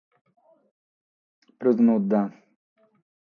Prus nudda.